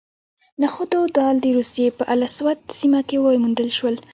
نخود او دال د سوریې په الاسود سیمه کې وموندل شول.